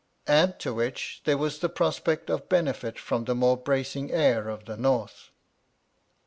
Add to which, there was the prospect of benefit from the more bracing air of the north.